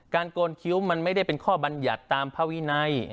โกนคิ้วมันไม่ได้เป็นข้อบรรยัติตามภาวินัย